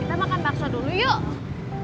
kita makan bakso dulu yuk